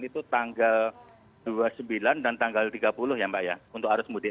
itu tanggal dua puluh sembilan dan tanggal tiga puluh ya mbak ya untuk arus mudik